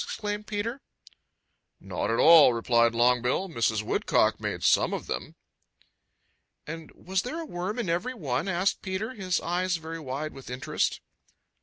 exclaimed Peter. "Not at all," replied Longbill. "Mrs. Woodcock made some of them." "And was there a worm in every one?" asked Peter, his eyes very wide with interest.